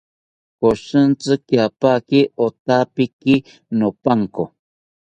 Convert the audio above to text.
Koshintzi kiapaki otapiki nopanko